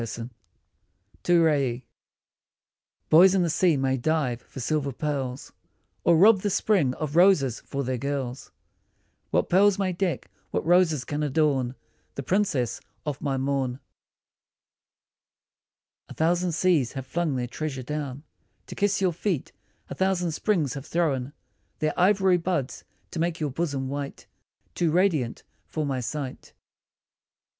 88 TO RAIE BOYS in the sea may dive for silver pearls, Or rob the spring of roses for their girls ; What pearls may deck, what roses can adorn The princess of my morn ? A thousand seas have flung their treasure down To kiss your feet, a thousand springs have thrown Their ivory buds to make your bosom white Too radiant for my sight.